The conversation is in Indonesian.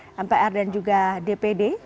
ada bambang susatyo dan juga ketua dpr dri